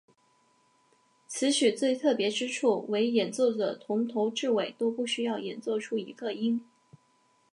此曲最特别之处为演奏者从头至尾都不需要演奏出一个音。